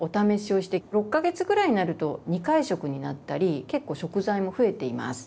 ６か月ぐらいになると２回食になったり結構食材も増えています。